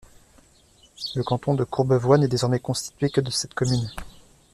Le canton de Courbevoie n'est désormais constitué que de cette commune.